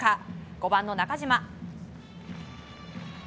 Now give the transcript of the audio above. ５番の中島。